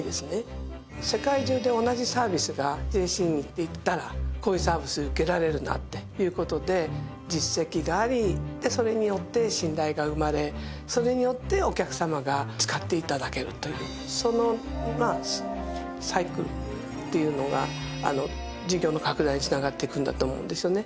世界中で同じサービスがＪＡＣに行ったらこういうサービス受けられるなっていう事で実績がありでそれによって信頼が生まれそれによってお客様が使って頂けるというそのサイクルっていうのが事業の拡大に繋がっていくんだと思うんですよね。